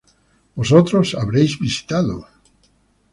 Vosotros habréis visitado